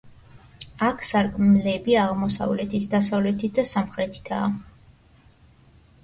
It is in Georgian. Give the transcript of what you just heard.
აქ სარკმლები აღმოსავლეთით, დასავლეთით და სამხრეთითაა.